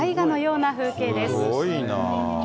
すごいな。